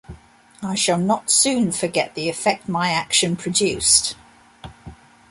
I shall not soon forget the effect my action produced.